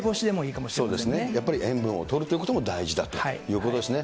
そうですね、やっぱり塩分をとるということも大事だということですね。